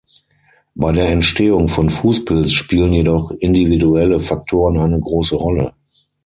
Bei der Entstehung von Fußpilz spielen jedoch individuelle Faktoren eine große Rolle.